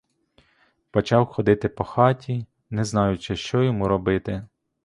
Почав ходити по хаті, не знаючи, що йому робити.